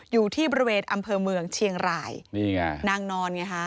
อยู่ที่บริเวณอำเภอเมืองเชียงรายนี่ไงนางนอนไงฮะ